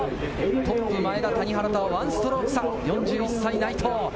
トップ・前田、谷原とは１ストローク差、４１歳、内藤。